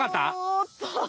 おっと。